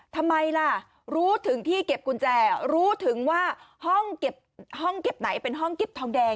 ทำไมล่ะรู้ถึงที่เก็บกุญแจรู้ถึงว่าห้องเก็บไหนเป็นห้องเก็บทองแดง